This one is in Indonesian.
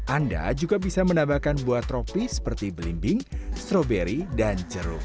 anda juga bisa menambahkan buah tropis seperti belimbing stroberi dan jeruk